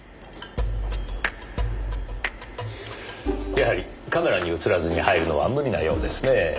やはりカメラに映らずに入るのは無理なようですねぇ。